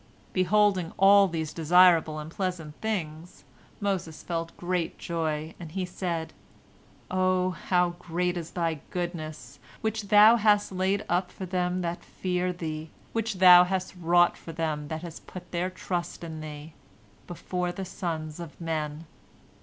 Beholding all these desirable and pleasant things, Moses felt great joy, and he said, "Oh, how great is Thy goodness, which Thou hast laid up for them that fear Thee, which Thou hast wrought for them that put their trust in Thee, before the sons of men!"